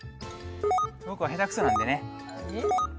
僕は下手くそなんでね。